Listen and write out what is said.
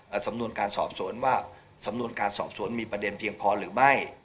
สำนวนการสอบสวนว่าสำนวนการสอบสวนมีประเด็นเพียงพอหรือไม่